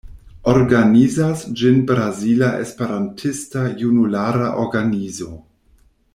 Organizas ĝin Brazila Esperantista Junulara Organizo.